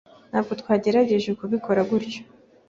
Ntabwo twagerageje kubikora gutya.